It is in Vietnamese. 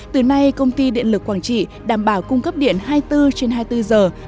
từ nay công ty điện lực quảng trị đảm bảo cung cấp điện hai mươi bốn trên hai mươi bốn giờ